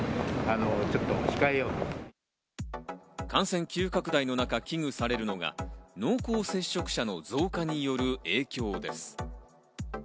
感染急拡大の中、危惧されるのが濃厚接触者の増加による影響です。